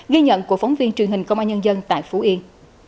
ghi nhận của phóng viên truyền hình công an nhân dân tại phú yên